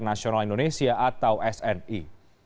nasional indonesia atau sni